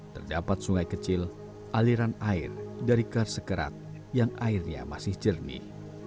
terdapat sungai kecil aliran air dari karse kerat yang airnya masih jernih